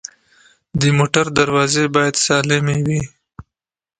د موټر دروازې باید سالمې وي.